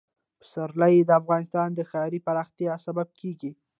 پسرلی د افغانستان د ښاري پراختیا سبب کېږي.